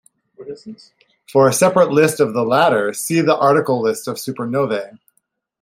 For a separate list of the latter, see the article List of supernovae.